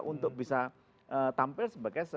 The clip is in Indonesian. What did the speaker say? untuk bisa tampil sebagai